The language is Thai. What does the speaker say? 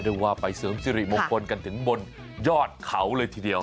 เรียกว่าไปเสริมสิริมงคลกันถึงบนยอดเขาเลยทีเดียว